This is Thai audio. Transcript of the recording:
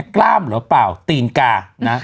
กล้ามหรือเปล่าตีนกานะ